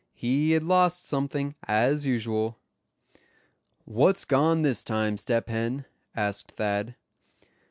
He had lost something, as usual. "What's gone this time, Step Hen?" asked Thad.